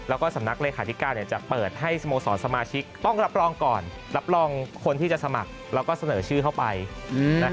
แล้วก็สำนักเลขาธิการจะเปิดให้สโมสรสมาชิกต้องรับรองก่อนรับรองคนที่จะสมัครแล้วก็เสนอชื่อเข้าไป